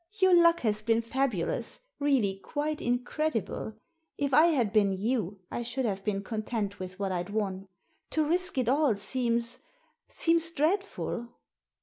"Your luck has been fabulous — really quite in credible. If I had been you I should have been content with what Vd won. To risk it all seems — seems dreadful."